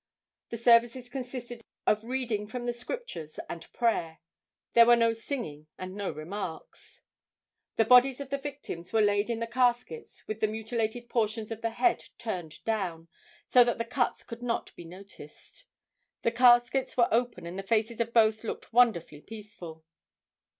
The services consisted of reading from the scriptures and prayer. There were no singing and no remarks. The bodies of the victims were laid in the caskets with the mutilated portions of the head turned down, so that the cuts could not be noticed. The caskets were open and the faces of both looked wonderfully peaceful.